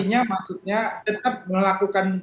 ya maksudnya tetap melakukan